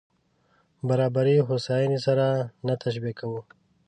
برابري هوساينې سره نه تشبیه کوو.